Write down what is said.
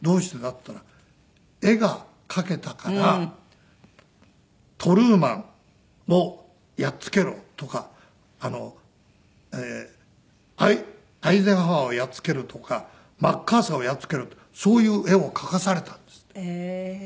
っつったら絵が描けたからトルーマンをやっつけろとかアイゼンハワーをやっつけるとかマッカーサーをやっつけるとかそういう絵を描かされたんですって。